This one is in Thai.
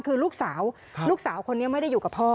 คือลูกสาวลูกสาวคนนี้ไม่ได้อยู่กับพ่อ